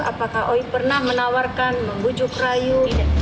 apakah oi pernah menawarkan membujuk rayu